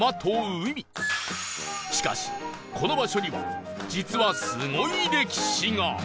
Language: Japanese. しかしこの場所には実はすごい歴史が！